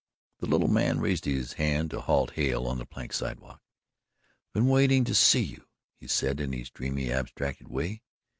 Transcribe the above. The little man raised his hand to halt Hale on the plank sidewalk. "I've been wanting to see you," he said in his dreamy, abstracted way.